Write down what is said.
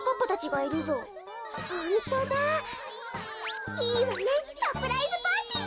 いいわねサプライズパーティーよ！